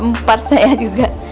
empat saya juga